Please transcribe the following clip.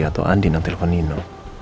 atau andin yang telepon nino